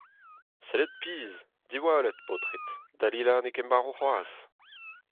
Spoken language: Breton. Sellit pizh, diwallit, paotred, Dalila n'eo ket marv c'hoazh.